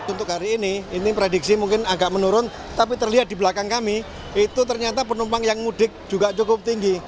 untuk hari ini ini prediksi mungkin agak menurun tapi terlihat di belakang kami itu ternyata penumpang yang mudik juga cukup tinggi